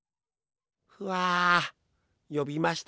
ふあよびましたか？